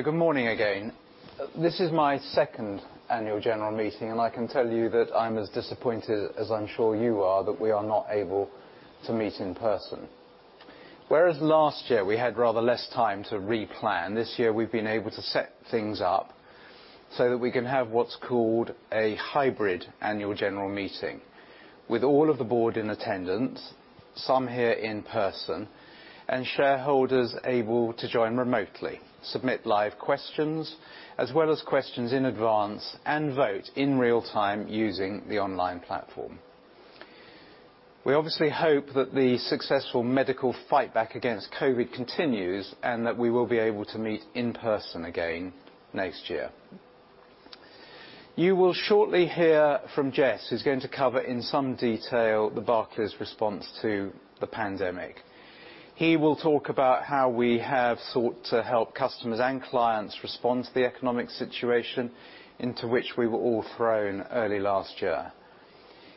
Good morning again. This is my second annual general meeting, and I can tell you that I'm as disappointed as I'm sure you are that we are not able to meet in person. Last year we had rather less time to replan, this year we've been able to set things up so that we can have what's called a hybrid annual general meeting with all of the board in attendance, some here in person, and shareholders able to join remotely, submit live questions, as well as questions in advance and vote in real time using the online platform. We obviously hope that the successful medical fight back against COVID-19 continues, and that we will be able to meet in person again next year. You will shortly hear from Jes, who's going to cover in some detail the Barclays response to the pandemic. He will talk about how we have sought to help customers and clients respond to the economic situation into which we were all thrown early last year.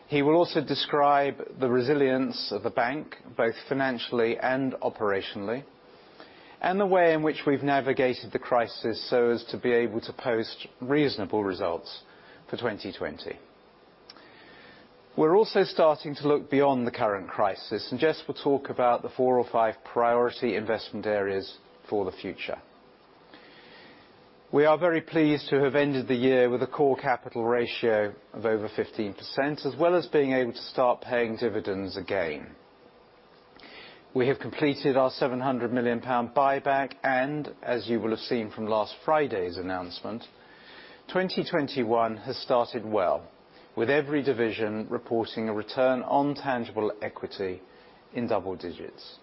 He will also describe the resilience of the bank, both financially and operationally, and the way in which we've navigated the crisis so as to be able to post reasonable results for 2020. We're also starting to look beyond the current crisis. Jes will talk about the four or five priority investment areas for the future. We are very pleased to have ended the year with a core capital ratio of over 15%, as well as being able to start paying dividends again. We have completed our £700 million buyback, and as you will have seen from last Friday's announcement, 2021 has started well, with every division reporting a return on tangible equity in double digits.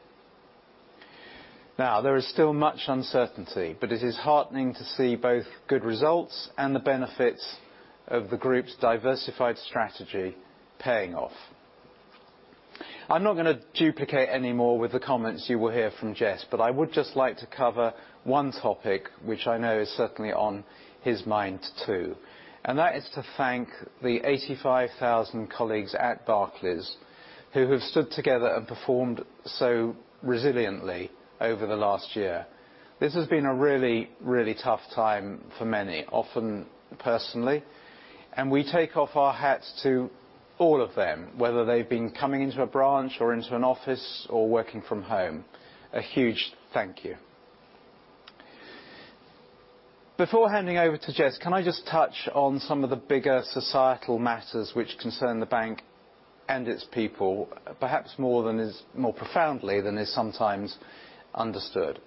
There is still much uncertainty, it is heartening to see both good results and the benefits of the group's diversified strategy paying off. I'm not going to duplicate any more with the comments you will hear from Jes, I would just like to cover one topic, which I know is certainly on his mind too, that is to thank the 85,000 colleagues at Barclays who have stood together and performed so resiliently over the last year. This has been a really tough time for many, often personally, we take off our hats to all of them, whether they've been coming into a branch or into an office or working from home. A huge thank you. Before handing over to Jes, can I just touch on some of the bigger societal matters which concern the bank and its people perhaps more profoundly than is sometimes understood.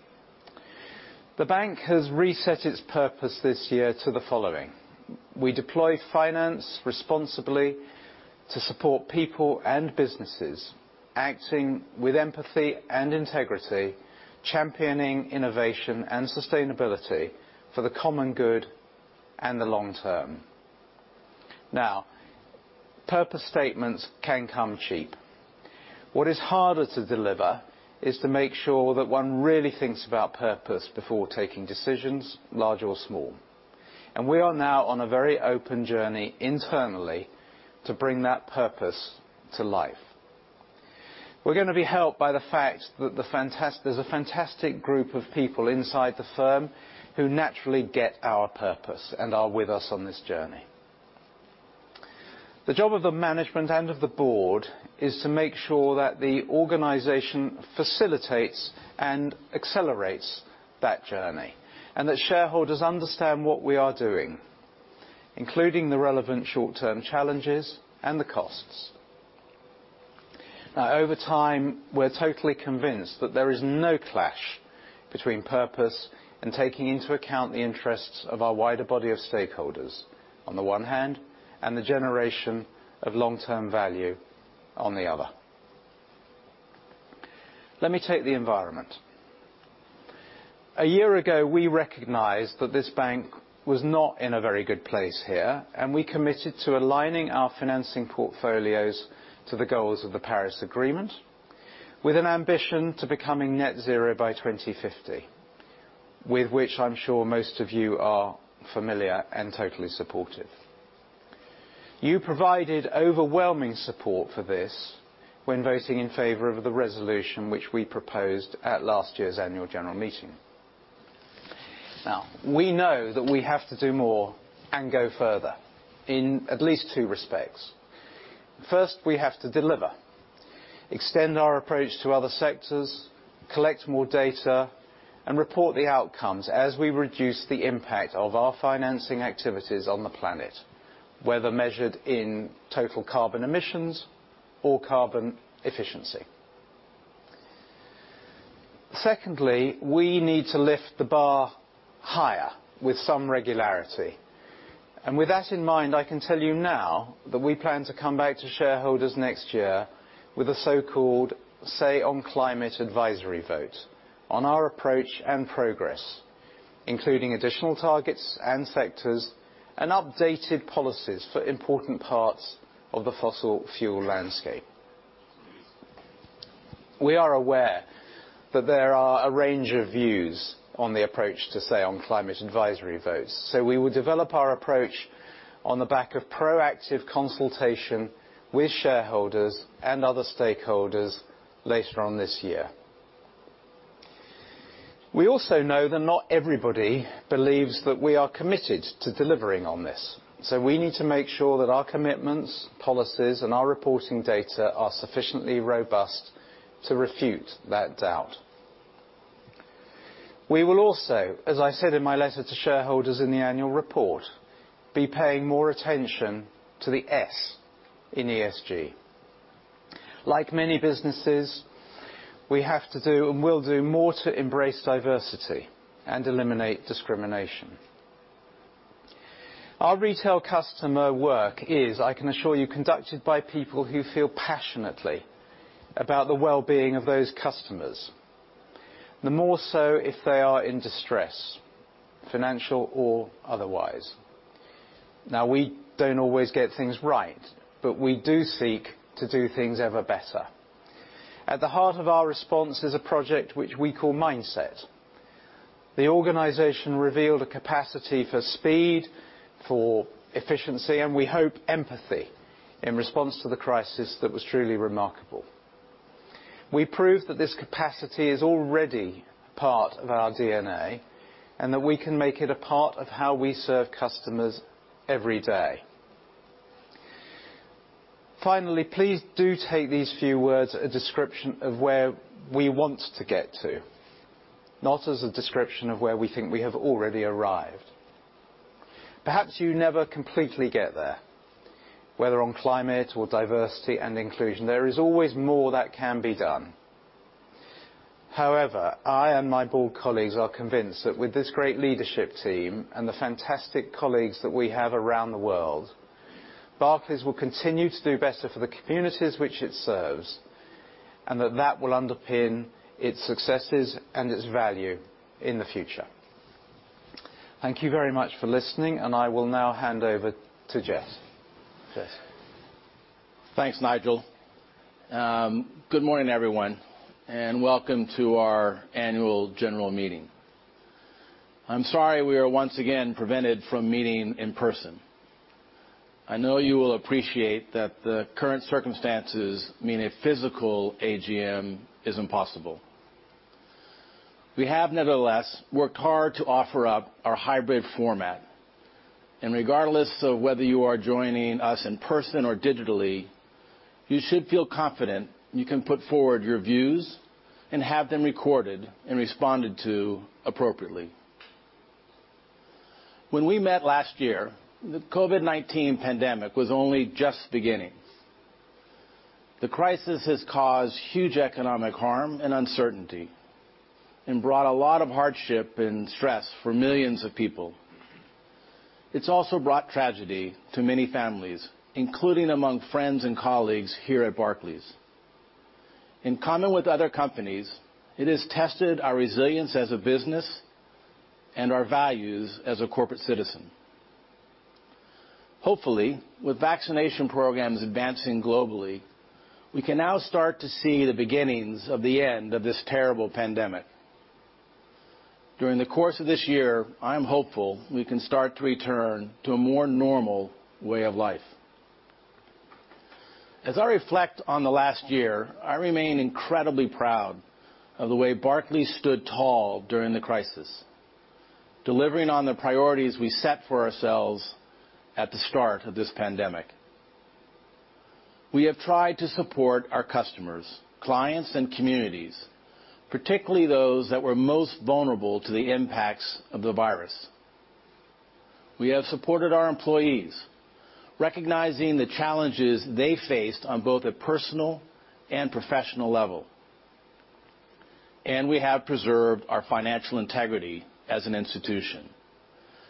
The bank has reset its purpose this year to the following: We deploy finance responsibly to support people and businesses acting with empathy and integrity, championing innovation and sustainability for the common good and the long term. Now, purpose statements can come cheap. What is harder to deliver is to make sure that one really thinks about purpose before taking decisions, large or small. We are now on a very open journey internally to bring that purpose to life. We're going to be helped by the fact that there's a fantastic group of people inside the firm who naturally get our purpose and are with us on this journey. The job of the management and of the board is to make sure that the organization facilitates and accelerates that journey, and that shareholders understand what we are doing, including the relevant short-term challenges and the costs. Over time, we're totally convinced that there is no clash between purpose and taking into account the interests of our wider body of stakeholders on the one hand, and the generation of long-term value on the other. Let me take the environment. A year ago, we recognized that this bank was not in a very good place here, and we committed to aligning our financing portfolios to the goals of the Paris Agreement with an ambition to becoming net zero by 2050, with which I'm sure most of you are familiar and totally supportive. You provided overwhelming support for this when voting in favor of the resolution, which we proposed at last year's annual general meeting. Now, we know that we have to do more and go further in at least two respects. First, we have to deliver, extend our approach to other sectors, collect more data, and report the outcomes as we reduce the impact of our financing activities on the planet, whether measured in total carbon emissions or carbon efficiency. Secondly, we need to lift the bar higher with some regularity. With that in mind, I can tell you now that we plan to come back to shareholders next year with a so-called Say on Climate advisory vote on our approach and progress, including additional targets and sectors and updated policies for important parts of the fossil fuel landscape. We are aware that there are a range of views on the approach to Say on Climate advisory votes. We will develop our approach on the back of proactive consultation with shareholders and other stakeholders later on this year. We also know that not everybody believes that we are committed to delivering on this. We need to make sure that our commitments, policies, and our reporting data are sufficiently robust to refute that doubt. We will also, as I said in my letter to shareholders in the annual report, be paying more attention to the S in ESG. Like many businesses, we have to do and will do more to embrace diversity and eliminate discrimination. Our retail customer work is, I can assure you, conducted by people who feel passionately about the well-being of those customers, the more so if they are in distress, financial or otherwise. Now we don't always get things right, but we do seek to do things ever better. At the heart of our response is a project which we call Mindset. The organization revealed a capacity for speed, for efficiency, and we hope empathy in response to the crisis that was truly remarkable. We proved that this capacity is already part of our DNA, and that we can make it a part of how we serve customers every day. Finally, please do take these few words a description of where we want to get to, not as a description of where we think we have already arrived. Perhaps you never completely get there, whether on climate or diversity and inclusion, there is always more that can be done. However, I and my board colleagues are convinced that with this great leadership team and the fantastic colleagues that we have around the world, Barclays will continue to do better for the communities which it serves, and that that will underpin its successes and its value in the future. Thank you very much for listening, and I will now hand over to Jes. Jes. Thanks, Nigel. Good morning, everyone, and welcome to our Annual General Meeting. I'm sorry we are once again prevented from meeting in person. I know you will appreciate that the current circumstances mean a physical AGM is impossible. We have nevertheless worked hard to offer up our hybrid format, and regardless of whether you are joining us in person or digitally, you should feel confident you can put forward your views and have them recorded and responded to appropriately. When we met last year, the COVID-19 pandemic was only just beginning. The crisis has caused huge economic harm and uncertainty and brought a lot of hardship and stress for millions of people. It's also brought tragedy to many families, including among friends and colleagues here at Barclays. In common with other companies, it has tested our resilience as a business and our values as a corporate citizen. Hopefully, with vaccination programs advancing globally, we can now start to see the beginnings of the end of this terrible pandemic. During the course of this year, I'm hopeful we can start to return to a more normal way of life. As I reflect on the last year, I remain incredibly proud of the way Barclays stood tall during the crisis, delivering on the priorities we set for ourselves at the start of this pandemic. We have tried to support our customers, clients, and communities, particularly those that were most vulnerable to the impacts of the virus. We have supported our employees, recognizing the challenges they faced on both a personal and professional level. We have preserved our financial integrity as an institution,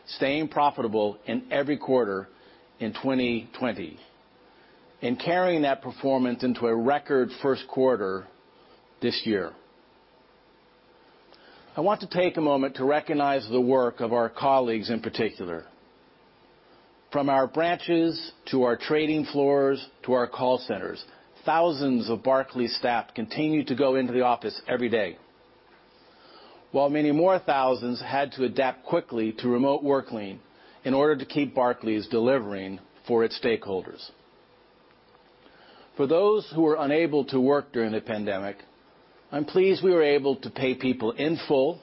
staying profitable in every quarter in 2020 and carrying that performance into a record first quarter this year. I want to take a moment to recognize the work of our colleagues in particular. From our branches, to our trading floors, to our call centers, thousands of Barclays staff continue to go into the office every day. While many more thousands had to adapt quickly to remote working in order to keep Barclays delivering for its stakeholders. For those who were unable to work during the pandemic, I'm pleased we were able to pay people in full,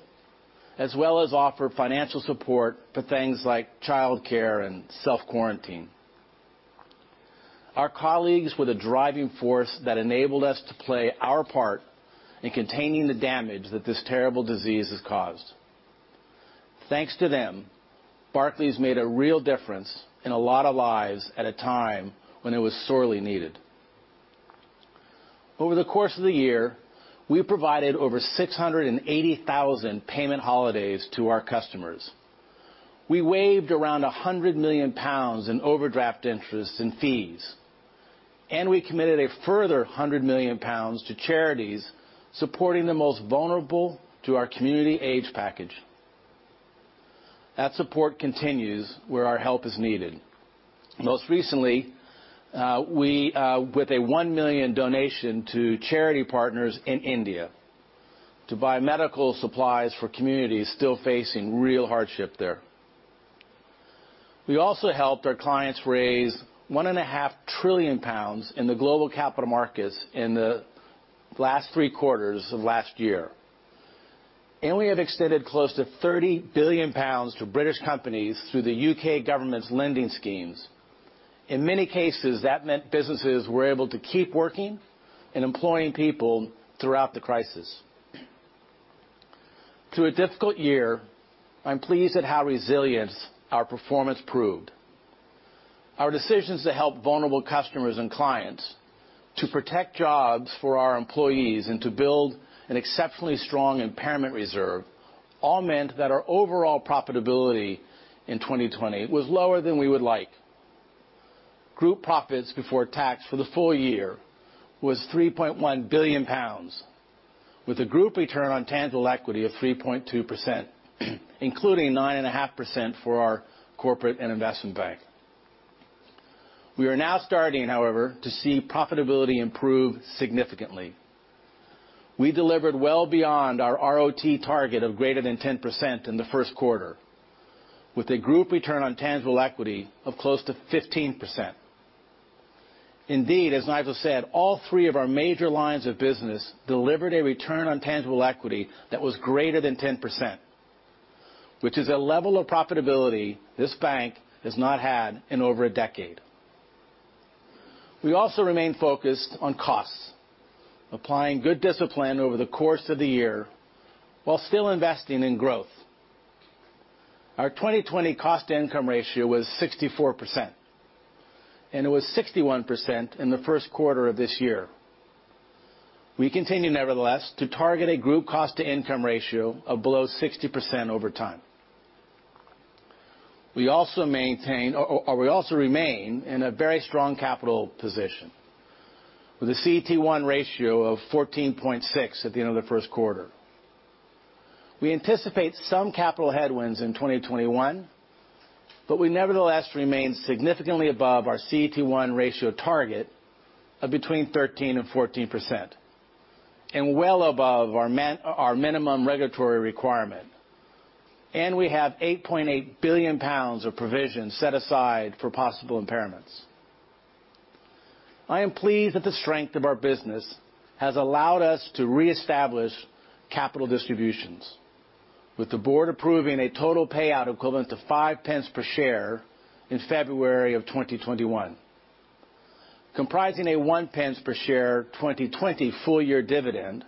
as well as offer financial support for things like childcare and self-quarantine. Our colleagues were the driving force that enabled us to play our part in containing the damage that this terrible disease has caused. Thanks to them, Barclays made a real difference in a lot of lives at a time when it was sorely needed. Over the course of the year, we provided over 680,000 payment holidays to our customers. We waived around 100 million pounds in overdraft interests and fees, and we committed a further 100 million pounds to charities supporting the most vulnerable to our community aid package. That support continues where our help is needed. Most recently, with a 1 million donation to charity partners in India to buy medical supplies for communities still facing real hardship there. We also helped our clients raise 1.5 trillion pounds in the global capital markets in the last three quarters of last year. We have extended close to 30 billion pounds to British companies through the U.K. government's lending schemes. In many cases, that meant businesses were able to keep working and employing people throughout the crisis. Through a difficult year, I'm pleased at how resilient our performance proved. Our decisions to help vulnerable customers and clients, to protect jobs for our employees, and to build an exceptionally strong impairment reserve all meant that our overall profitability in 2020 was lower than we would like. Group profits before tax for the full year was 3.1 billion pounds, with a group return on tangible equity of 3.2%, including 9.5% for our corporate and investment bank. We are now starting, however, to see profitability improve significantly. We delivered well beyond our RoTE target of greater than 10% in the first quarter, with a group return on tangible equity of close to 15%. Indeed, as Nigel said, all three of our major lines of business delivered a return on tangible equity that was greater than 10%, which is a level of profitability this bank has not had in over a decade. We also remain focused on costs, applying good discipline over the course of the year while still investing in growth. Our 2020 cost income ratio was 64%, and it was 61% in the first quarter of this year. We continue, nevertheless, to target a group cost to income ratio of below 60% over time. We also remain in a very strong capital position with a CET1 ratio of 14.6% at the end of the first quarter. We anticipate some capital headwinds in 2021, but we nevertheless remain significantly above our CET1 ratio target of between 13% and 14%, and well above our minimum regulatory requirement. We have 8.8 billion pounds of provisions set aside for possible impairments. I am pleased that the strength of our business has allowed us to reestablish capital distributions, with the board approving a total payout equivalent to 0.05 per share in February of 2021, comprising 0.01 per share 2020 full year dividend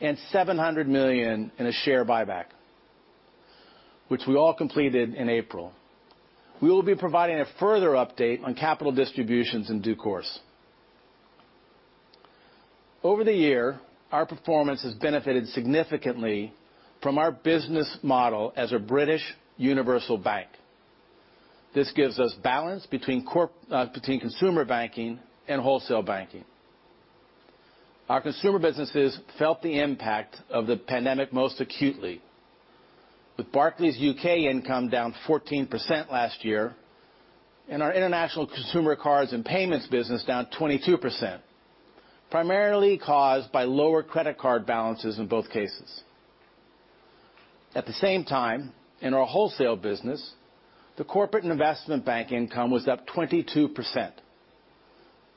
and 700 million in a share buyback, which we all completed in April. We will be providing a further update on capital distributions in due course. Over the year, our performance has benefited significantly from our business model as a British universal bank. This gives us balance between consumer banking and wholesale banking. Our consumer businesses felt the impact of the pandemic most acutely, with Barclays UK income down 14% last year and our international consumer cards and payments business down 22%, primarily caused by lower credit card balances in both cases. At the same time, in our wholesale business, the corporate and investment bank income was up 22%,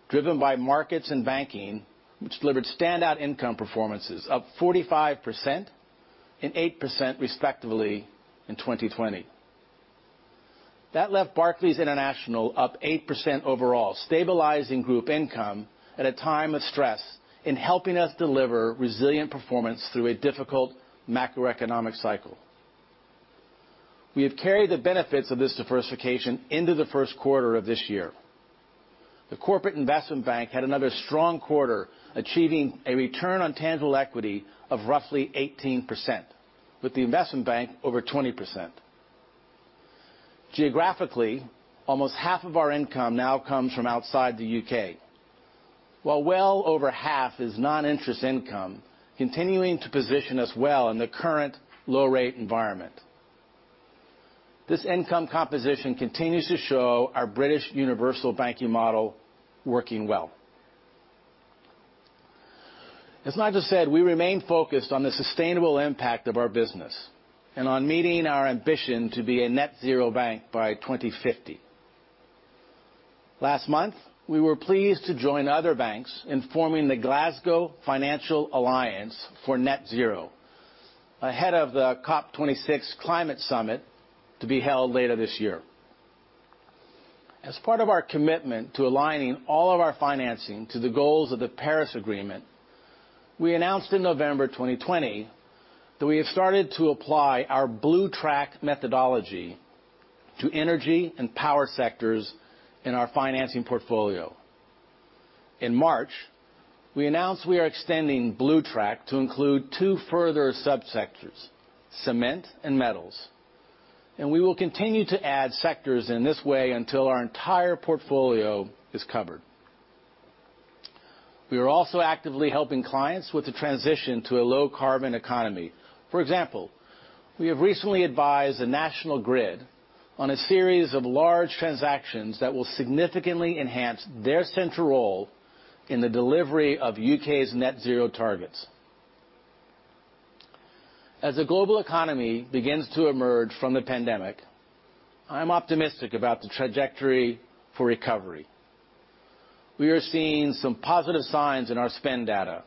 driven by markets and banking, which delivered standout income performances up 45% and 8%, respectively, in 2020. That left Barclays International up 8% overall, stabilizing group income at a time of stress in helping us deliver resilient performance through a difficult macroeconomic cycle. We have carried the benefits of this diversification into the first quarter of this year. The corporate investment bank had another strong quarter, achieving a return on tangible equity of roughly 18%, with the investment bank over 20%. Geographically, almost half of our income now comes from outside the U.K., while well over half is non-interest income, continuing to position us well in the current low rate environment. This income composition continues to show our British universal banking model working well. As Nigel said, we remain focused on the sustainable impact of our business and on meeting our ambition to be a net zero bank by 2050. Last month, we were pleased to join other banks in forming the Glasgow Financial Alliance for Net Zero, ahead of the COP26 climate summit to be held later this year. As part of our commitment to aligning all of our financing to the goals of the Paris Agreement, we announced in November 2020 that we have started to apply our BlueTrack methodology to energy and power sectors in our financing portfolio. In March, we announced we are extending BlueTrack to include two further sub-sectors, cement and metals, and we will continue to add sectors in this way until our entire portfolio is covered. We are also actively helping clients with the transition to a low carbon economy. For example, we have recently advised the National Grid on a series of large transactions that will significantly enhance their central role in the delivery of U.K.'s net zero targets. As the global economy begins to emerge from the pandemic, I'm optimistic about the trajectory for recovery. We are seeing some positive signs in our spend data,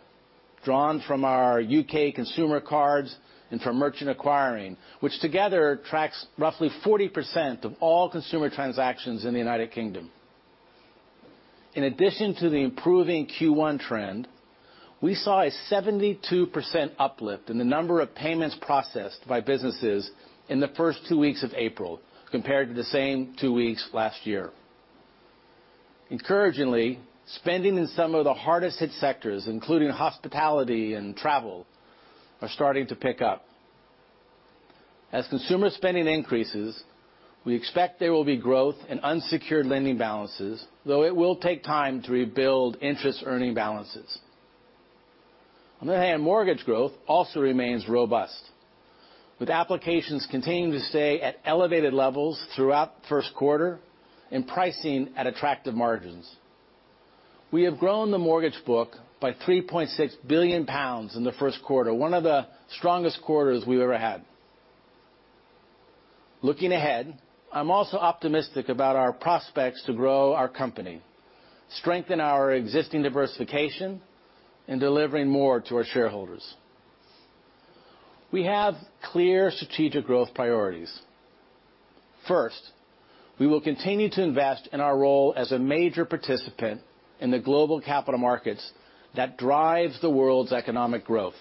drawn from our U.K. consumer cards and from merchant acquiring, which together tracks roughly 40% of all consumer transactions in the United Kingdom. In addition to the improving Q1 trend, we saw a 72% uplift in the number of payments processed by businesses in the first two weeks of April compared to the same two weeks last year. Encouragingly, spending in some of the hardest hit sectors, including hospitality and travel, are starting to pick up. As consumer spending increases, we expect there will be growth in unsecured lending balances, though it will take time to rebuild interest earning balances. On the other hand, mortgage growth also remains robust, with applications continuing to stay at elevated levels throughout the first quarter and pricing at attractive margins. We have grown the mortgage book by 3.6 billion pounds in the first quarter, one of the strongest quarters we've ever had. Looking ahead, I'm also optimistic about our prospects to grow our company, strengthen our existing diversification, and delivering more to our shareholders. We have clear strategic growth priorities. First, we will continue to invest in our role as a major participant in the global capital markets that drives the world's economic growth.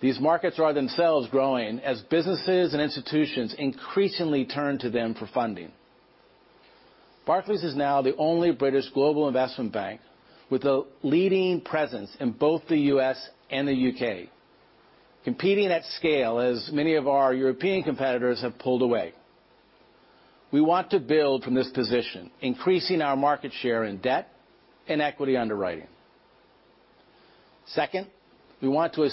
These markets are themselves growing as businesses and institutions increasingly turn to them for funding. Barclays is now the only British global investment bank with a leading presence in both the U.S. and the U.K., competing at scale as many of our European competitors have pulled away. We want to build from this position, increasing our market share in debt and equity underwriting. Second, we want to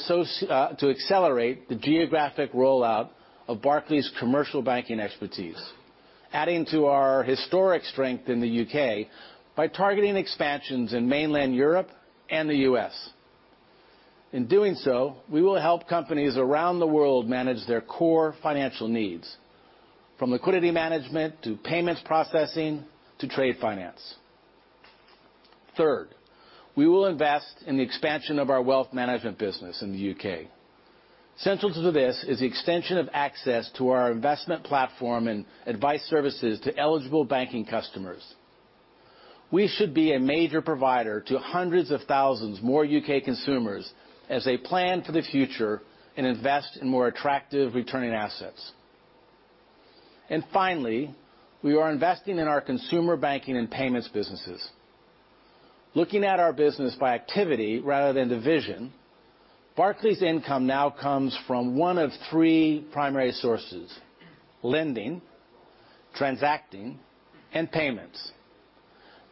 accelerate the geographic rollout of Barclays commercial banking expertise, adding to our historic strength in the U.K. by targeting expansions in mainland Europe and the U.S. In doing so, we will help companies around the world manage their core financial needs, from liquidity management to payments processing to trade finance. Third, we will invest in the expansion of our wealth management business in the U.K. Central to this is the extension of access to our investment platform and advice services to eligible banking customers. We should be a major provider to hundreds of thousands more U.K. consumers as they plan for the future and invest in more attractive returning assets. Finally, we are investing in our consumer banking and payments businesses. Looking at our business by activity rather than division, Barclays income now comes from one of three primary sources, lending, transacting, and payments.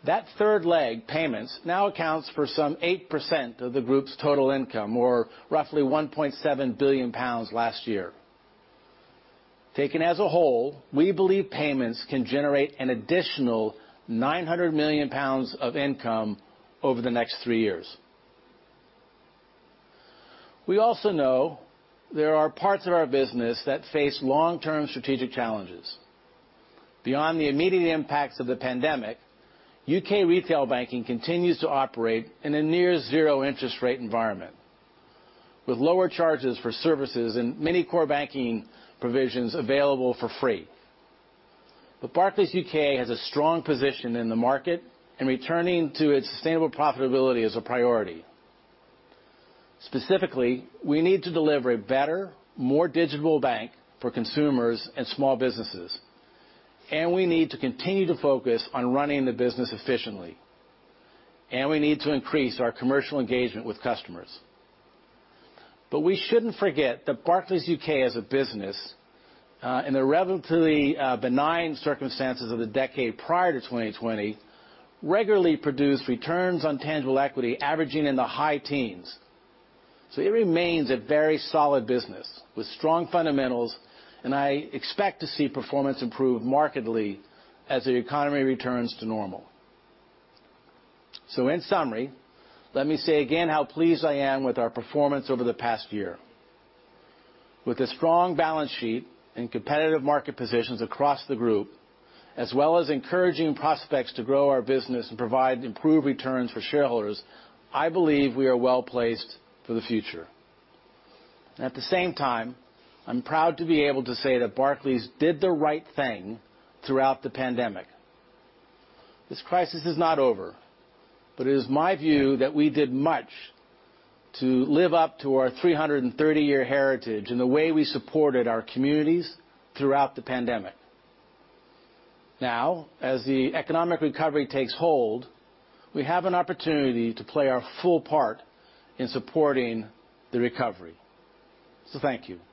That third leg, payments, now accounts for some 8% of the group's total income, or roughly 1.7 billion pounds last year. Taken as a whole, we believe payments can generate an additional 900 million pounds of income over the next three years. We also know there are parts of our business that face long-term strategic challenges. Beyond the immediate impacts of the pandemic, U.K. retail banking continues to operate in a near zero interest rate environment, with lower charges for services and many core banking provisions available for free. Barclays UK has a strong position in the market, and returning to its sustainable profitability is a priority. Specifically, we need to deliver a better, more digital bank for consumers and small businesses, and we need to continue to focus on running the business efficiently, and we need to increase our commercial engagement with customers. We shouldn't forget that Barclays UK as a business, in the relatively benign circumstances of the decade prior to 2020, regularly produced returns on tangible equity averaging in the high teens. It remains a very solid business with strong fundamentals, and I expect to see performance improve markedly as the economy returns to normal. In summary, let me say again how pleased I am with our performance over the past year. With a strong balance sheet and competitive market positions across the group, as well as encouraging prospects to grow our business and provide improved returns for shareholders, I believe we are well placed for the future. At the same time, I'm proud to be able to say that Barclays did the right thing throughout the pandemic. This crisis is not over, but it is my view that we did much to live up to our 330-year heritage in the way we supported our communities throughout the pandemic. Now, as the economic recovery takes hold, we have an opportunity to play our full part in supporting the recovery. Thank you.